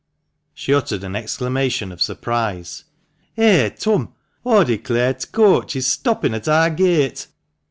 She uttered an exclamation of surprise. " Eh, Turn ! aw declare t' coach is stoppin' at ar gate.